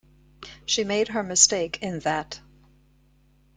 She made her mistake in that.